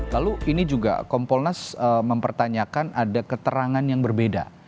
lalu ini juga kompolnas mempertanyakan ada keterangan yang berbeda